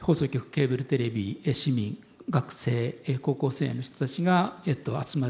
ケーブルテレビ市民学生高校生の人たちが集まる。